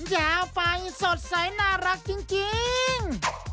ยาวไฟสดใสน่ารักจริง